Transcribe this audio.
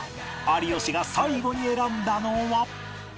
有吉が最後に選んだのは